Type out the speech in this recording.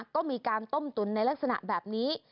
ก็มีการต้มตุ๋นในลักษณะแบบนี้